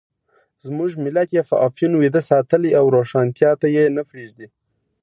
زموږ ملت یې په افیون ویده ساتلی او روښانتیا ته یې نه پرېږدي.